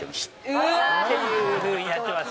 うわっ！っていうふうにやってます